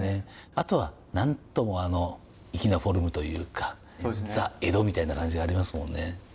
あとは何ともあの粋なフォルムというかザ江戸みたいな感じがありますもんね。